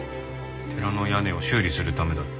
寺の屋根を修理するためだって。